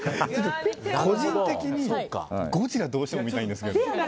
個人的にゴジラどうしても見たいんですけど。